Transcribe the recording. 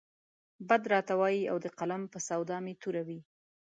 بد راته وايي او د قلم په سودا مې توره وي.